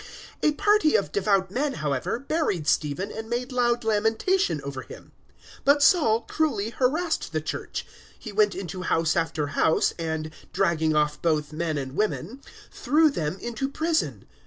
008:002 A party of devout men, however, buried Stephen, and made loud lamentation over him. 008:003 But Saul cruelly harassed the Church. He went into house after house, and, dragging off both men and women, threw them into prison.